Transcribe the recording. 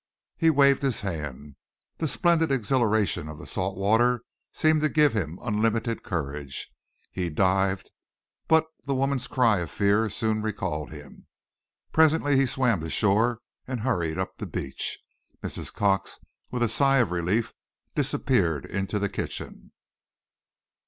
He waved his hand. The splendid exhilaration of the salt water seemed to give him unlimited courage. He dived, but the woman's cry of fear soon recalled him. Presently he swam to shore and hurried up the beach. Mrs. Cox, with a sigh of relief, disappeared into the kitchen.